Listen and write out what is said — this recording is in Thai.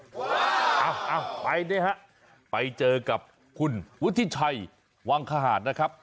อ้าวอ้าวไปนะฮะไปเจอกับคุณวุฒิชัยวังคหาดนะครับ